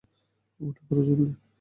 উঠে পড়, জলদি।